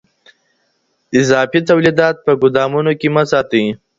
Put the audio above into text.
اضافي توليدات په ګودامونو کې مه ساتئ.